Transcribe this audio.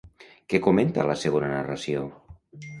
Què comenta la segona narració?